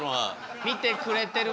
見てくれてる方に。